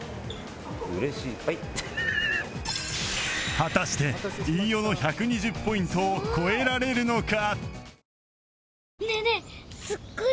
果たして飯尾の１２０ポイントを超えられるのか？